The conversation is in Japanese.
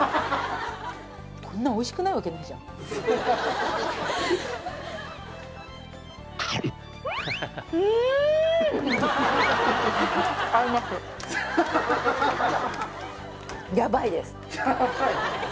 こんなんおいしくないわけないじゃんやばいです・やばい？